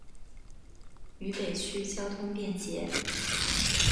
渝北区交通便捷。